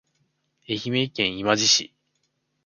愛媛県今治市